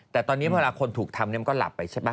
แต่ตอนนี้เวลาคนถูกทำมันก็หลับไปใช่ป่